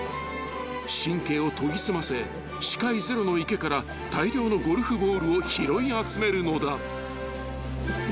［神経を研ぎ澄ませ視界ゼロの池から大量のゴルフボールを拾い集めるのだ］